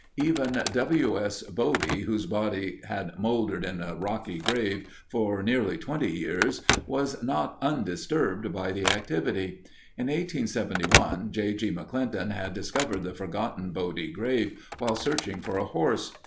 Even W. S. Body, whose body had moldered in a rocky grave for nearly twenty years, was not undisturbed by the activity. In 1871 J. G. McClinton had discovered the forgotten Body grave while searching for a horse.